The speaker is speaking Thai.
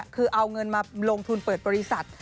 คือเอาเงินมาลงทุนเปิดบริษัท